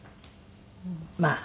まあ。